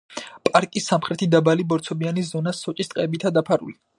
პარკის სამხრეთი დაბალი ბორცვებიანი ზონა სოჭის ტყეებითაა დაფარული.